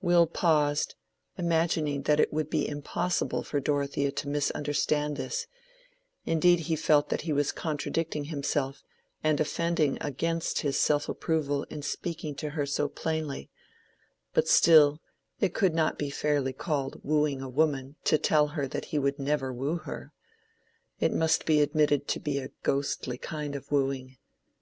Will paused, imagining that it would be impossible for Dorothea to misunderstand this; indeed he felt that he was contradicting himself and offending against his self approval in speaking to her so plainly; but still—it could not be fairly called wooing a woman to tell her that he would never woo her. It must be admitted to be a ghostly kind of wooing.